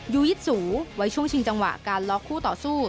ยูยิตสูไว้ช่วงชิงจังหวะการล็อกคู่ต่อสู้